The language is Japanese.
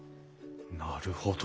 なるほど。